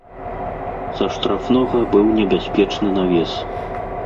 Са штрафнога быў небяспечны навес.